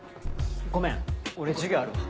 ごめん俺授業あるわ。